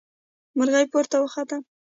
مرغۍ پورته وخته.